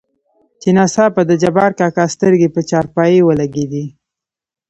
چې ناڅاپه دجبارکاکا سترګې په چارپايي ولګېدې.